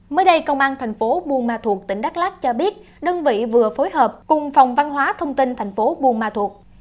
mới đây công an tp buôn ma thuột tỉnh đắk lắk cho biết đơn vị vừa phối hợp cùng phòng văn hóa thông tin tp buôn ma thuột